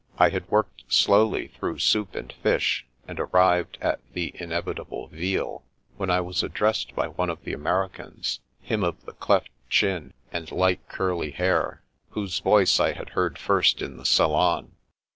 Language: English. I had worked slowly through soup and fish, and arrived at the inevitable veal, when I was addressed by one of the Americans — ^him of the cleft chin and light curly hair, whose voice I had heard first in the salon.